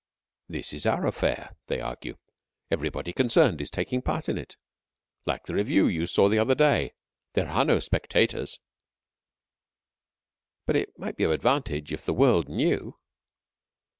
"This is our affair," they argue. "Everybody concerned is taking part in it. Like the review you saw the other day, there are no spectators." "But it might be of advantage if the world knew."